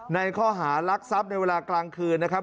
ในข้อหารักทรัพย์ในเวลากลางคืนนะครับ